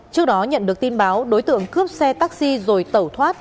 trước đó nhận được tin báo đối tượng cướp xe taxi rồi tẩu thoát